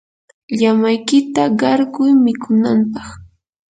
llamaykita qarquy mikunanpaq.